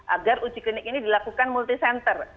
agar uji klinik ini dilakukan multi center